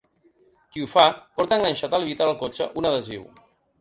Qui ho fa, porta enganxat al vidre del cotxe un adhesiu.